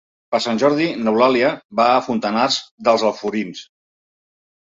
Per Sant Jordi n'Eulàlia va a Fontanars dels Alforins.